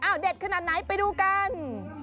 เด็ดขนาดไหนไปดูกัน